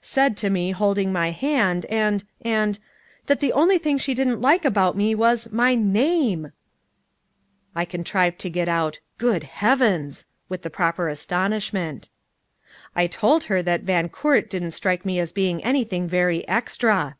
Said to me, holding my hand, and, and that the only thing she didn't like about me was my name." I contrived to get out, "Good heavens!" with the proper astonishment. "I told her that Van Coort didn't strike me as being anything very extra."